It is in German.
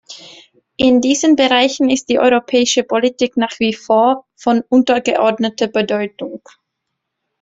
In diesen Bereichen ist die europäische Politik nach wie vor von untergeordneter Bedeutung.